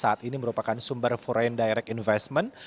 saat ini merupakan sumber foreign direct investment